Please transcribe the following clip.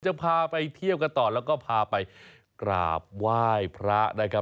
จะพาไปเที่ยวกันต่อแล้วก็พาไปกราบไหว้พระนะครับ